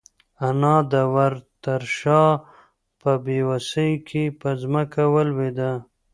انا د وره تر شا په بېوسۍ کې په ځمکه ولوېده.